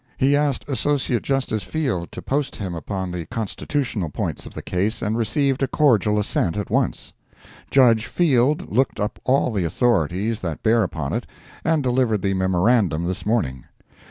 He asked Associate Justice Field to post him upon the constitutional points of the case, and received a cordial assent at once. Judge Field looked up all the authorities that bear upon it, and delivered the memorandum this morning.